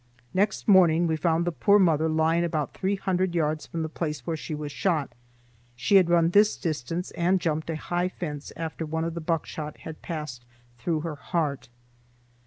Next morning we found the poor mother lying about three hundred yards from the place where she was shot. She had run this distance and jumped a high fence after one of the buckshot had passed through her heart.